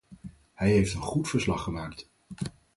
Hij heeft een goed verslag gemaakt.